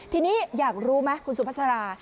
ทีนี้อยากรู้ไหมคุณสุภาษา